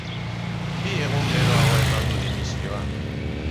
Bi egun geroago eman du dimisioa.